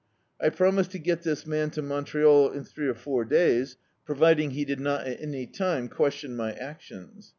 I promised to get this man to Montreal in three or four days, providing he did not at any time question my actions.